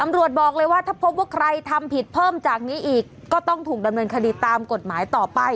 บอกเลยว่าถ้าพบว่าใครทำผิดเพิ่มจากนี้อีกก็ต้องถูกดำเนินคดีตามกฎหมายต่อไป